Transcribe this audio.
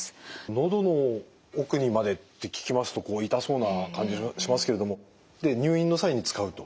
喉の奥にまでって聞きますとこう痛そうな感じしますけれどもで入院の際に使うと。